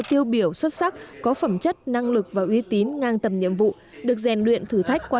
tiêu biểu xuất sắc có phẩm chất năng lực và uy tín ngang tầm nhiệm vụ được rèn luyện thử thách qua